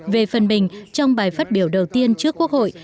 về phần mình trong bài phát biểu đầu tiên trước quốc hội